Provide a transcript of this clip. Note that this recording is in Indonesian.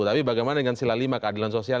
tapi bagaimana dengan sila lima keadilan sosial